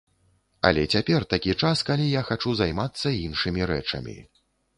Але цяпер такі час, калі я хачу займацца іншымі рэчамі.